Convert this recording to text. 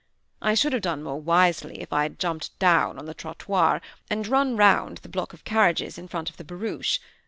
I should have done more wisely if I had jumped down on the trottoir, and run round the block of carriages in front of the barouche.